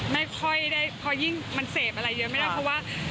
ไม่ค่อยได้เห็นเพราะมันเศษอะไรเยอะไม่ได้เพราะว่า